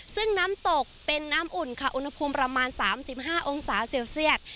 ซึ่งน้ำตกเป็นน้ำอุ่นค่ะอุณหภูมิประมาณ๓๕องศาเซลเซียต